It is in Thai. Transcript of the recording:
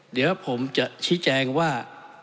เดี๋ยวผมจะชี้แจงว่า